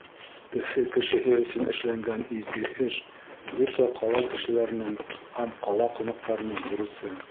Өфө кешеһе өсөн эшләнгән изге эш — бөтә ҡала кешеләренең һәм ҡала ҡунаҡтарының бурысы.